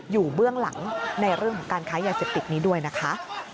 เบื้องหลังในเรื่องของการค้ายาเสพติดนี้ด้วยนะคะ